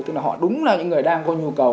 tức là họ đúng là những người đang có nhu cầu